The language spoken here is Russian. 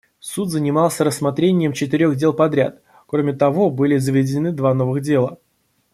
Суд занимался рассмотрением четырех дел подряд; кроме того, были заведены два новых дела.